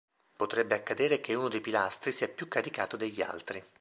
Potrebbe accadere che uno dei pilastri sia più caricato degli altri.